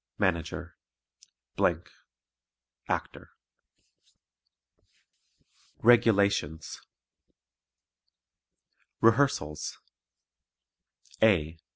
MANAGER ACTOR REGULATIONS Rehearsals A.